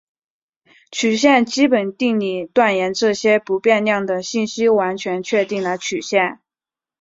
曲线基本定理断言这些不变量的信息完全确定了曲线。